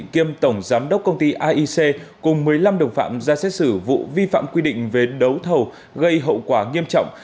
kiêm tổng giám đốc công ty aic cùng một mươi năm đồng phạm ra xét xử vụ vi phạm quy định về đấu thầu gây hậu quả nghiêm trọng